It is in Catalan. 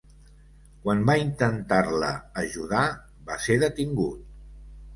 Quan va intentar-la ajudar, va ser detingut.